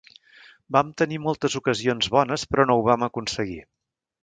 Vam tenir moltes ocasions bones però no ho vam aconseguir.